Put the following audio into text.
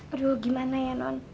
aduh gimana ya non